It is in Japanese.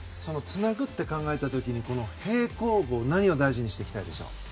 つなぐって考えた時に平行棒では何を大事にしていきたいでしょう？